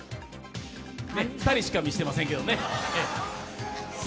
二人しか見せてませんけどね。